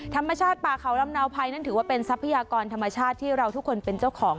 ธรรมชาติป่าเขาลำเนาภัยนั้นถือว่าเป็นทรัพยากรธรรมชาติที่เราทุกคนเป็นเจ้าของ